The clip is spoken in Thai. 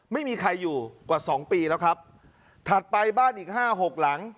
ไม่มีใครอยู่กว่าสองปีแล้วครับถัดไปบ้านอีกห้าหกหลัง